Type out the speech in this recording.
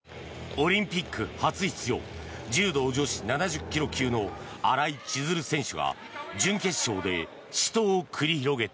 オリンピック初出場柔道女子７０ｋｇ級の新井千鶴選手が準決勝で死闘を繰り広げた。